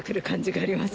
ありますよ